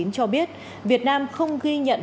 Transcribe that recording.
cho biết việt nam không ghi nhận